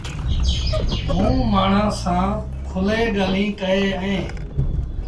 موٚنٚ مآڻهآنٚ سآݩٚ کُلي ڳآليٚنٚ ڪئيݩ اهينٚ